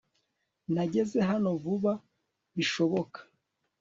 Nageze hano vuba bishoboka